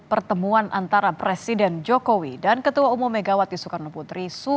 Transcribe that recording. pertemuan antara presiden jokowi dan ketua umum megawati soekarno putri